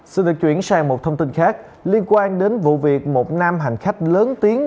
xin được chuyển sang một thông tin khác liên quan đến vụ việc một nam hành khách lớn tiếng